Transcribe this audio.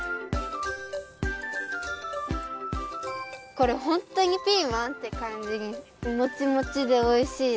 これホントにピーマン？って感じにもちもちでおいしいです。